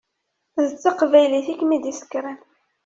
D taqbaylit i kem-id-yessekren.